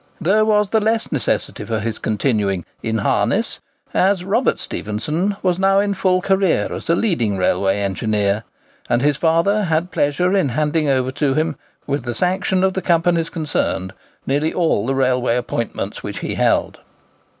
There was the less necessity for his continuing "in harness," as Robert Stephenson was now in full career as a leading railway engineer, and his father had pleasure in handing over to him, with the sanction of the companies concerned, nearly all the railway appointments which he held.